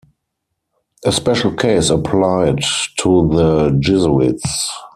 A special case applied to the Jesuits.